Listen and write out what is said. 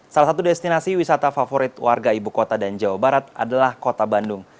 salah satu destinasi wisata favorit warga ibu kota dan jawa barat adalah kota bandung